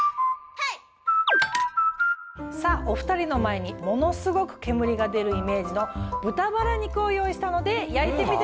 さぁお２人の前にものすごく煙が出るイメージの豚バラ肉を用意したので焼いてみてください。